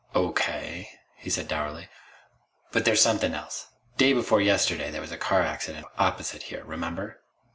"O.K.," he said dourly. "But there's something else. Day before yesterday there was a car accident opposite here. Remember?"